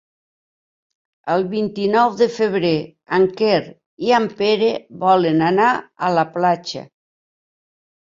El vint-i-nou de febrer en Quer i en Pere volen anar a la platja.